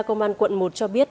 công an quận một cho biết